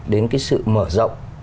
đến cái sự mở rộng